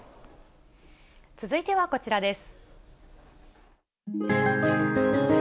続いてはこちらです。